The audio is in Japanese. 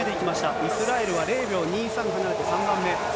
イスラエルは０秒２３離れて３番目。